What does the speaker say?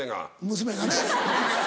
娘がね。